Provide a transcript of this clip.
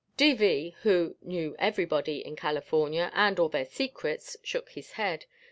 "D.V.," who knew "everybody" in California, and all their secrets, shook his head.